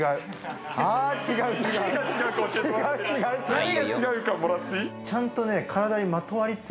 何が違うかもらっていい？